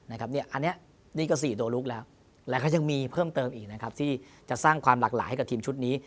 อันนี้นี่ก็๔ตัวลุกแล้วแล้วก็ยังมีเพิ่มเติมอีกนะครับที่จะสร้างความหลากหลายให้กับทีมชุดนี้